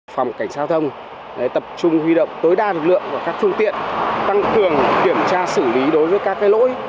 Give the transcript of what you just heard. phòng cảnh sát giao thông tập trung huy động tối đa lực lượng và các phương tiện tăng cường kiểm tra xử lý đối với các lỗi